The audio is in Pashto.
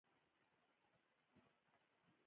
زه سبق یادوم.